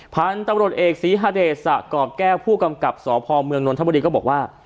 ผ่านตำรวจเอกศรีฮเดสะกรอบแก้ผู้กำกับสอพอมเมืองนทบดีก็บอกว่า